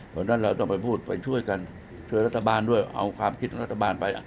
เพราะฉะนั้นเราต้องไปพูดไปช่วยกันช่วยรัฐบาลด้วยเอาความคิดของรัฐบาลไป